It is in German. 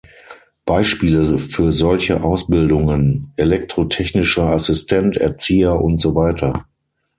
Beispiele für solche Ausbildungen: elektrotechnischer Assistent, Erzieher und so weiter.